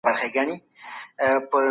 سم نیت فشار نه جوړوي.